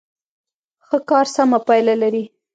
ښه کار سمه پایله لري.